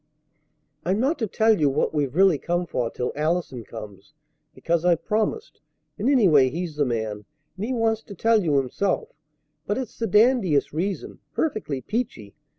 "I'm not to tell you what we've really come for till Allison comes, because I've promised; and anyway he's the man, and he wants to tell you himself; but it's the dandiest reason, perfectly peachy!